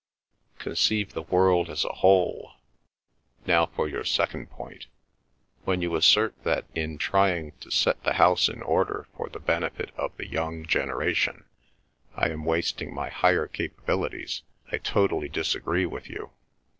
Conceive the world as a whole. Now for your second point; when you assert that in trying to set the house in order for the benefit of the young generation I am wasting my higher capabilities, I totally disagree with you.